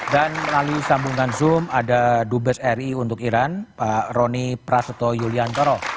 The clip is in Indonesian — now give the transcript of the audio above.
dan melalui sambungan zoom ada dubes ri untuk iran pak roni prasuto yuliantoro